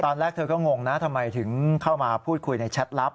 ตอนแรกเธอก็งงนะทำไมถึงเข้ามาพูดคุยในแชทลับ